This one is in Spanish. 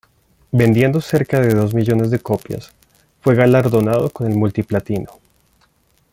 Vendiendo cerca de dos millones de copias, fue galardonado con el multi-platino.